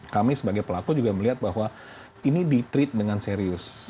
kami sebagai pelaku juga melihat bahwa ini di treat dengan serius